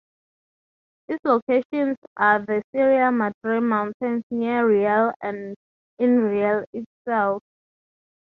Its locations are the Sierra Madre mountains near Real and in Real itself.